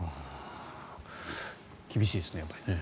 厳しいですね。